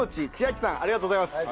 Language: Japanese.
ありがとうございます。